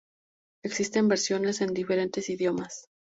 Existen versiones en diferentes idiomas.